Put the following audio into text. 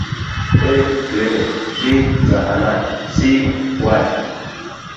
A. klinik B. zahanat C. wadi